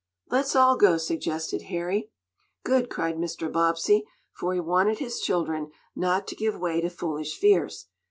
"Let's all go!" suggested Harry. "Good!" cried Mr. Bobbsey, for he wanted his children not to give way to foolish fears.